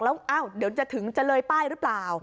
แล้วเดี๋ยวจะถึงจะเลยป้ายหรือเปล่า